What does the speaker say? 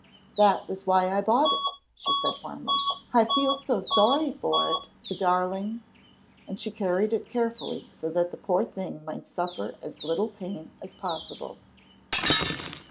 "That was why I bought it," she said warmly, "I feel so sorry for it, the darling," and she carried it carefully so that the poor thing might suffer as little pain as possible.